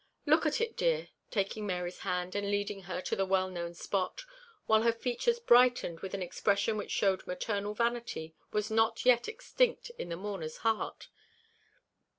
Look at it, my dear," taking Mary's hand, and leading her to the well known spot, while her features brightened with an expression which showed maternal vanity was not yet extinct in the mourner's heart.